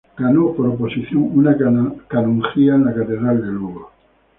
Ganó por oposición una canonjía en la catedral de Lugo.